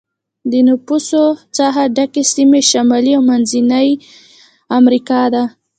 د نفوسو څخه ډکې سیمې شمالي او منځنی امریکا دي.